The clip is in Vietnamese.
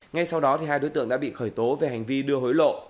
ngay sau đó hai đối tượng đã bị khởi tố về hành vi đưa hối lộ